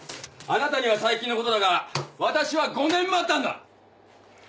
あなたには最近のことだが私は５年待ったんだ！